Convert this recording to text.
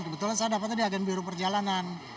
kebetulan saya dapat tadi agen biru perjalanan